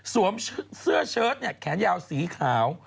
เสื้อเชิดแขนยาวสีขาว